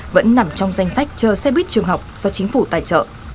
vẫn nằm trong danh sách chờ xe buýt trường học do chính phủ tài trợ